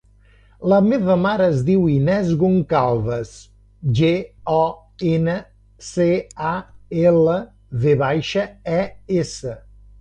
La meva mare es diu Inès Goncalves: ge, o, ena, ce, a, ela, ve baixa, e, essa.